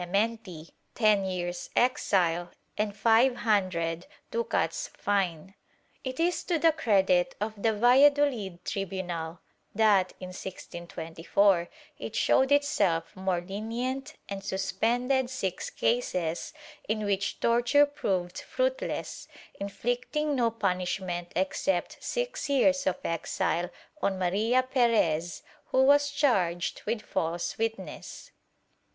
82 TORTURE [Book VI ten years' exile and five hundred ducats fine/ It is to the credit of the Valladolid tribunal that, in 1624, it showed itself more lenient and suspended six cases in which torture proved fruitless, inflicting no punishment except six years of exile on Maria Perez, who was charged with false witness.